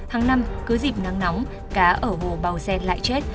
hằng năm cứ dịp nắng nóng cá ở hồ bầu xen lại chết